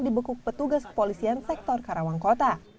dibekuk petugas kepolisian sektor karawang kota